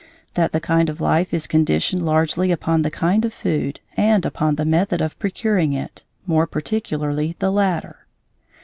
_ _That the kind of life is conditioned largely upon the kind of food and upon the method of procuring it, more particularly the latter.